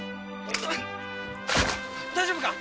大丈夫か！？